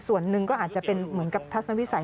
ส่วนหนึ่งก็อาจจะเป็นเหมือนกับทัศนวิสัย